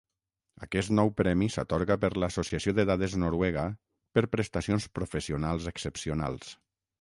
Aquest nou premi s'atorga per l'Associació de Dades Noruega per prestacions professionals excepcionals.